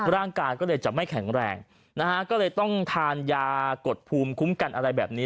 ร่างกายก็เลยจะไม่แข็งแรงนะฮะก็เลยต้องทานยากดภูมิคุ้มกันอะไรแบบนี้